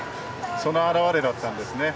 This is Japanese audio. その表れだったんですね。